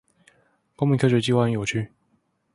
公民科學計畫很有趣